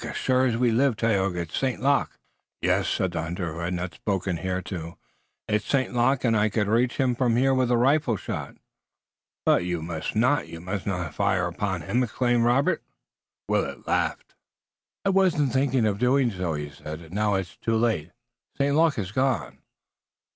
As sure as we live, Tayoga, it's St. Luc." "Yes," said the hunter, who had not spoken hitherto. "It's St. Luc, and I could reach him from here with a rifle shot." "But you must not! You must not fire upon him!" exclaimed Robert. Willet laughed. "I wasn't thinking of doing so," he said. "And now it's too late. St. Luc has gone."